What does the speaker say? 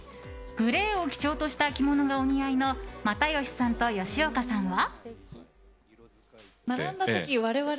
グレーを基調とした着物がお似合いの又吉さんと吉岡さんは。